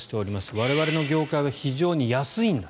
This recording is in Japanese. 我々の業界は非常に安いんだ。